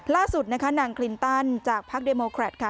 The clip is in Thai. ล่าสุดนางคลินตันจากพรรคเดโมครัตร